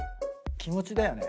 気持ちだよね。